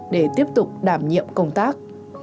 để tiếp tục đảm nhiệm công tác